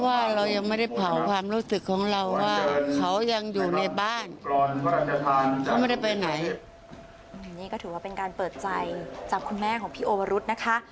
อันนี้ก็ถือว่าเป็นการเปิดใจจากคุณแม่ของพี่โอวรุษนะคะ